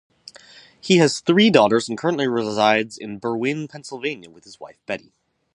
He has three daughters and currently resides in Berwyn, Pennsylvania with wife Betty.